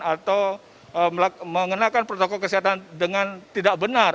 atau mengenakan protokol kesehatan dengan tidak benar